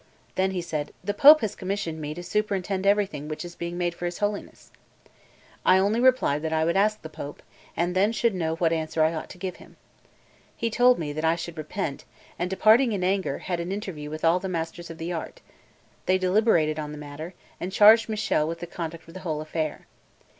Then he said: "The Pope has commissioned me to superintend everything which is being made for his Holiness." I only replied that I would ask the Pope, and then should know what answer I ought to give him. He told me that I should repent, and departing in anger, had an interview with all the masters of the art; they deliberated on the matter, and charged Michele with the conduct of the whole affair.